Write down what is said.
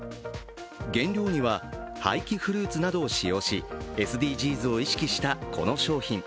原料には廃棄フルーツなどを使用しＳＤＧｓなどを意識したこの商品。